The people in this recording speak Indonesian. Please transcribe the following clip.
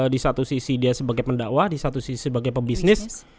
di satu sisi dia sebagai pendakwah di satu sisi sebagai pebisnis